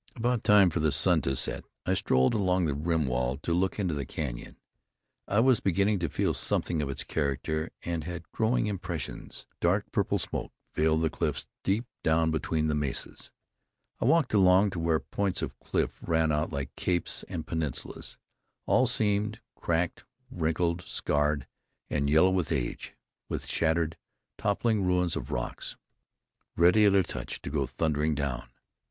About time for the sun to set, I strolled along the rim wall to look into the canyon. I was beginning to feel something of its character and had growing impressions. Dark purple smoke veiled the clefts deep down between the mesas. I walked along to where points of cliff ran out like capes and peninsulas, all seamed, cracked, wrinkled, scarred and yellow with age, with shattered, toppling ruins of rocks ready at a touch to go thundering down.